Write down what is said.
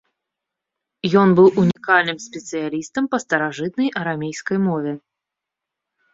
Ён быў унікальным спецыялістам па старажытнай арамейскай мове.